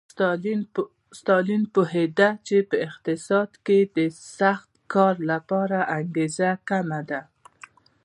ستالین پوهېده چې په اقتصاد کې د سخت کار لپاره انګېزه کمه ده